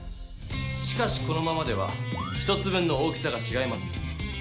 しかしこのままでは１つ分の大きさがちがいます。